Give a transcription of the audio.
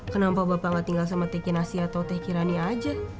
kenapa bapak gak tinggal sama teh kinasi atau teh kirani aja